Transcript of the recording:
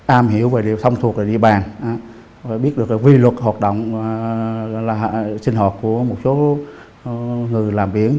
am hiểu về thông thuộc địa bàn biết được là quy luật hoạt động sinh hoạt của một số người làm biển